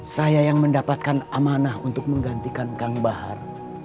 saya yang mendapatkan amanah untuk menggantikan kang bahar